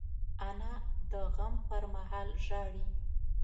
انا د غم پر مهال ژاړي